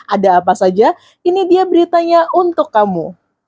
ada apa saja ini dia beritanya untuk kamu